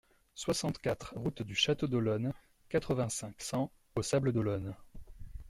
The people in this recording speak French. soixante-quatre route du Château d'Olonne, quatre-vingt-cinq, cent aux Sables-d'Olonne